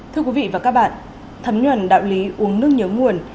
thưa quý vị và các bạn thấm nhuần đạo lý uống nước nhớ nguồn